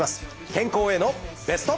健康へのベスト。